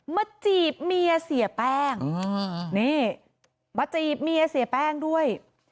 จีบเมียเสียแป้งนี่มาจีบเมียเสียแป้งด้วย